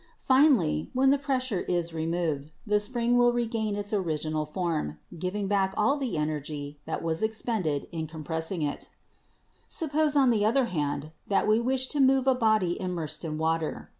Finally, when the pres sure is removed, the spring will regain its original form, giving back all the energy that was expended in compress ing it "Suppose, on the other hand, that we wish to move a body immersed in water.